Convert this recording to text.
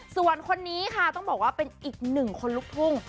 ส่วนคนนี้ค่ะต้องบอกว่าเป็นอีกหนึ่งคนลุกทุ่ง